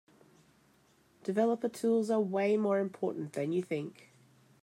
Developer Tools are way more important than you think.